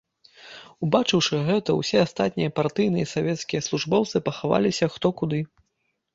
Убачыўшы гэта, усе астатнія партыйныя і савецкія службоўцы пахаваліся хто куды.